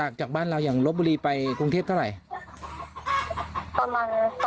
แต่ว่าถ้ารถไฟก็ประมาณ๑๗๙๑๙๘บาทนี่แหละค่ะ